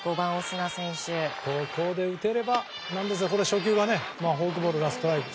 ここで打てればですが初球はフォークボールがストライク。